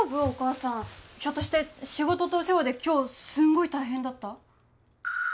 お母さんひょっとして仕事とお世話で今日すんごい大変だった？